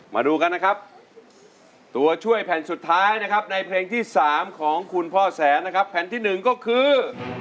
มาดูกันนะครับตัวช่วยแผ่นสุดท้ายนะครับในเพลงที่๓ของคุณพ่อแสนนะครับแผ่นที่๑ก็คือ